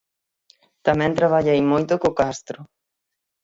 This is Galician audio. Tamén traballei moito co Castro.